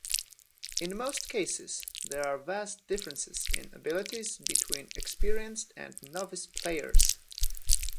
In most cases, there are vast differences in abilities between experienced and novice players.